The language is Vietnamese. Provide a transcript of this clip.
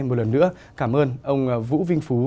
một lần nữa cảm ơn ông vũ vinh phú